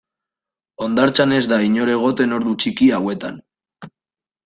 Hondartzan ez da inor egoten ordu txiki hauetan.